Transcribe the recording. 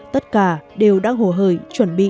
tất cả đều đã hồ hời chuẩn bị